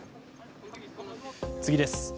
次です。